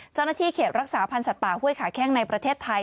เจ้าหน้าที่เขตรักษาพันธ์สัตว์ป่าห้วยขาแข้งในประเทศไทย